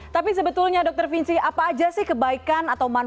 tapi sebetulnya dokter vinci apa aja sih kebaikan atau manfaatnya